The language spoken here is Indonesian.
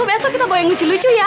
besok kita bawa yang lucu lucu ya